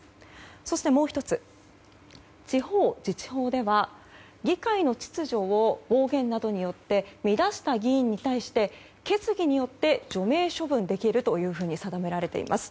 そして、もう１つ地方自治法では議会の秩序を暴言などによって乱した議員に対して決議によって除名処分できると定められています。